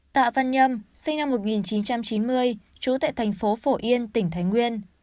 tạ văn nhâm sinh năm một nghìn chín trăm chín mươi trú tại thành phố phổ yên tỉnh thái nguyên